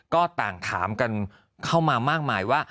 ก็ต่างถามกันเข้ามามากมายว่า